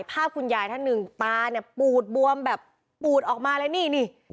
ภาพคุณยายท่านหนึ่งตาเนี่ยปูดบวมแบบปูดออกมาเลยนี่นี่